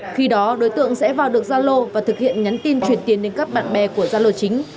khi đó đối tượng sẽ vào được zalo và thực hiện nhắn tin chuyển tiền đến các bạn bè của gia lô chính